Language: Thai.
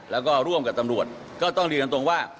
แล้วก็ร่วมกับตำรวจก็ต้องเรียนตรงว่า